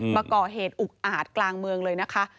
มาก่อเหตุอุกอาจกลางเมืองเลยนะคะ